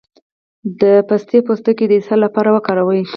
د پسته پوستکی د اسهال لپاره وکاروئ